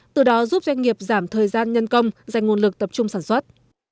từ đó giúp doanh nghiệp giảm thời gian nhân công dành nguồn lực tập trung sản xuất